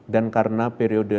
dan karena periode